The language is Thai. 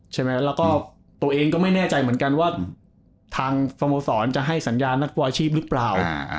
ใช่ไหมแล้วก็ตัวเองก็ไม่แน่ใจเหมือนกันว่าทางสโมสรจะให้สัญญานักฟุตบอลชีพหรือเปล่า